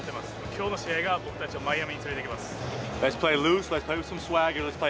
今日の試合が僕たちをマイアミに連れてきます